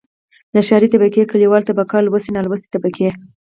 لکه ښاري طبقې، کليواله طبقه لوستې، نالوستې طبقې.